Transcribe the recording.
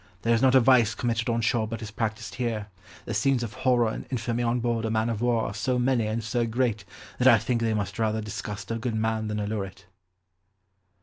There is not a vice committed on shore but is practised here, the scenes of horror and infamy on board a man of war are so many and so great, that I think they must rather disgust a good mind than allure it."